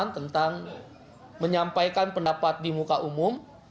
tentang menyampaikan pendapat di muka umum